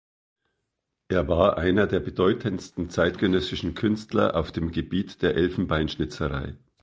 Er war einer der bedeutendsten zeitgenössischen Künstler auf dem Gebiet der Elfenbeinschnitzerei.